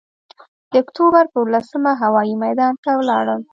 د اکتوبر پر اوولسمه هوايي میدان ته ولاړم.